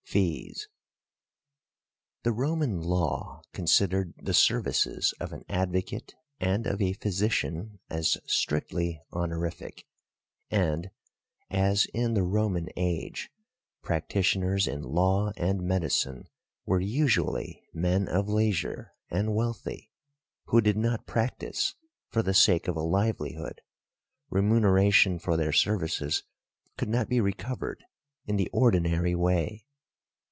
FEES. The Roman Law considered the services of an advocate and of a physician as strictly honorific; and, as in the Roman age, practitioners in law and medicine, were usually men of leisure and wealthy, who did not practise for the sake of a livelihood, remuneration for their services could not be recovered in the ordinary way.